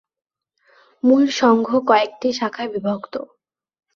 মূল সংঘ কয়েকটি শাখায় বিভক্ত।